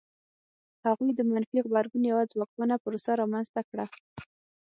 هغوی د منفي غبرګون یوه ځواکمنه پروسه رامنځته کړه.